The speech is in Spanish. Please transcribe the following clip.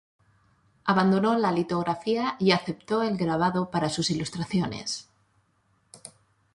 Abandonó la litografía y aceptó el grabado para sus ilustraciones.